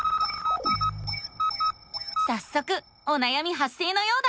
さっそくおなやみ発生のようだ。